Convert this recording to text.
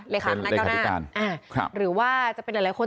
เหนียบพี่บุตรหรือว่าจะเป็นหลายคน